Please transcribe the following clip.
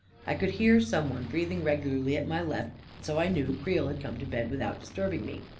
I could hear some one breathing regularly at my left, and so knew that Creel had come to bed without disturbing me.